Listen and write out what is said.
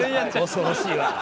恐ろしいわ。